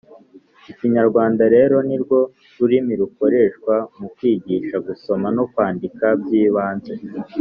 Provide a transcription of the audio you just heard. ikinyarwanda rero ni rwo rurimi rukoreshwa mu kwigisha gusoma no kwandika by’ibanze